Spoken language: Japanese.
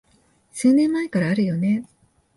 数年前からあるよね